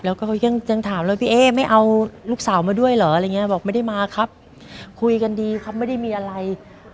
แล้วก็ยังถามเลยพี่เอ๊ไม่เอาลูกสาวมาด้วยเหรออะไรอย่างเงี้ยบอกไม่ได้มาครับคุยกันดีครับไม่ได้มีอะไร